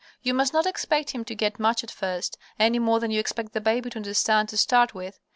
You must not expect him to get much at first, any more than you expect the baby to understand to start with.